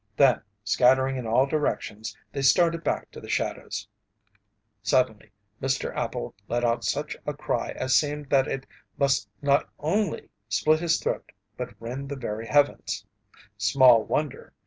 Then, scattering in all directions, they started back to the shadows. Suddenly Mr. Appel let out such a cry as seemed that it must not only split his throat but rend the very heavens. Small wonder!